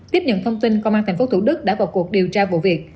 tiếp nhận thông tin công an tp thủ đức đã vào cuộc điều tra vụ việc